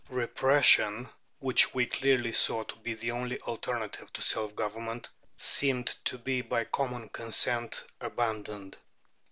Repression, which we clearly saw to be the only alternative to self government, seemed to be by common consent abandoned.